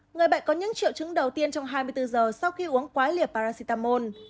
người bệnh có những triệu chứng đầu tiên trong hai mươi bốn h sau khi uống quá liều paracetamol